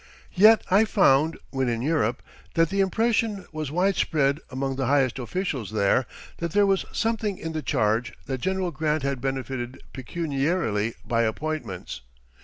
Yet I found, when in Europe, that the impression was widespread among the highest officials there that there was something in the charge that General Grant had benefited pecuniarily by appointments.